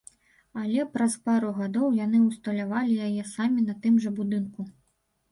Але праз пару гадоў яны ўсталявалі яе самі на тым жа будынку.